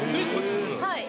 はい。